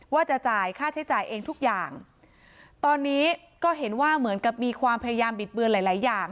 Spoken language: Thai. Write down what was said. ว่าจะจ่ายค่าใช้จ่ายเองทุกอย่างตอนนี้ก็เห็นว่าเหมือนกับมีความพยายามบิดเบือนหลายหลายอย่าง